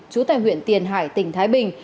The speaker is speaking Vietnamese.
trú tại huyện tiền hải tỉnh thái bình